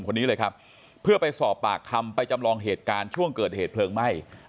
คนนี้เลยครับเพื่อไปสอบปากคำไปจำลองเหตุการณ์ช่วงเกิดเหตุเพลิงไหม้